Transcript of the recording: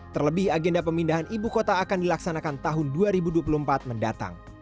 terlebih agenda pemindahan ibu kota akan dilaksanakan tahun dua ribu dua puluh empat mendatang